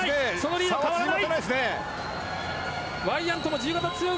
リード変わらない。